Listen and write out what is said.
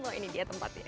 oh ini dia tempatnya